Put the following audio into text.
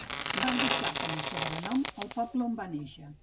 Va adoptar com a sobrenom el poble on va néixer.